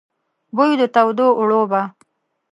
بوی د تودو اوړو به،